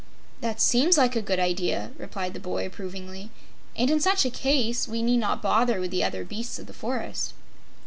"That seems like a good idea," replied the boy, approvingly. "And in such a case, we need not bother with the other beasts of the forest."